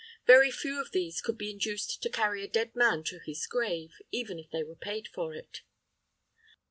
Very few of these could be induced to carry a dead man to his grave, even if they were paid for it.